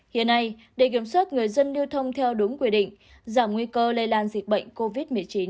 hiện nay để kiểm soát người dân lưu thông theo đúng quy định giảm nguy cơ lây lan dịch bệnh covid một mươi chín